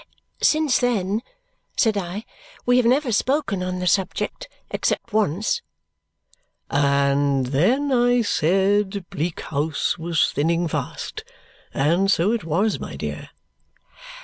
"Since then," said I, "we have never spoken on the subject except once." "And then I said Bleak House was thinning fast; and so it was, my dear."